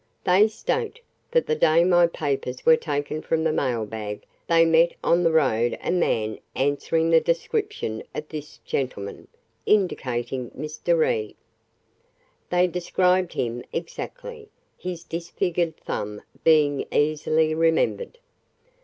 They state that the day my papers were taken from the mailbag they met on the road a man answering the description of this gentleman," indicating Mr. Reed. "They described him exactly, his disfigured thumb being easily remembered.